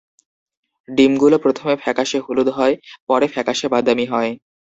ডিমগুলো প্রথমে ফ্যাকাশে হলুদ হয়, পরে ফ্যাকাশে বাদামি হয়।